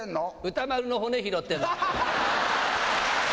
歌丸の骨拾ってんの。